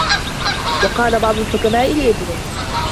وَقَالَ بَعْضُ الْحُكَمَاءِ لِابْنِهِ